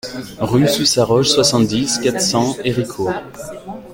Rue Sous Saroche, soixante-dix, quatre cents Héricourt